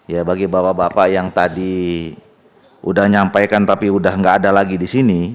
ya bagi bapak bapak yang tadi sudah menyampaikan tapi sudah tidak ada lagi di sini